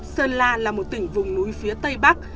sơn la là một tỉnh vùng núi phía tây bắc